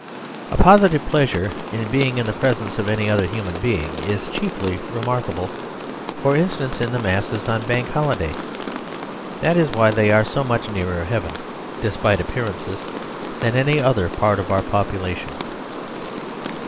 A positive pleasure in being in the presence of any other human being is chiefly remarkable, for instance, in the masses on Bank Holiday; that is why they are so much nearer Heaven (despite appearances) than any other part of our population.